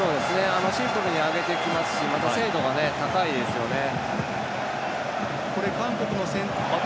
シンプルに上げてきますしまた、精度が高いですよね。